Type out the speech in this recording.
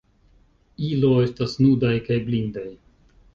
Ilo estas nudaj kaj blindaj.